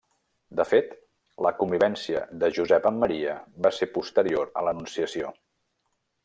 De fet, la convivència de Josep amb Maria va ser posterior a l'Anunciació.